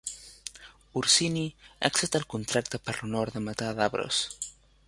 Orcini accepta el contracte per l'honor de matar Davros.